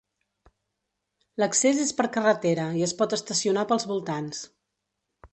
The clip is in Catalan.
L'accés és per carretera i es pot estacionar pels voltants.